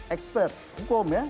ekspert hukum ya